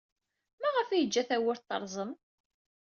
Maɣef ay yeǧǧa tawwurt terẓem?